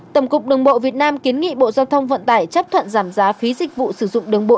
tổng cục đường bộ việt nam kiến nghị bộ giao thông vận tải chấp thuận giảm giá phí dịch vụ sử dụng đường bộ